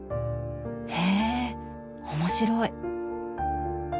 へえ面白い！